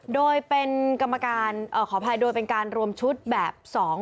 โดยเป็นกรรมการขออภัยโดยเป็นการรวมชุดแบบสอง